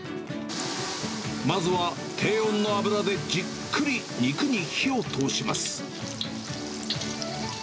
まずは低温の油でじっくり肉に火を通します。